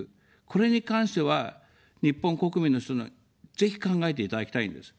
これに関しては、日本国民の人、ぜひ考えていただきたいんです。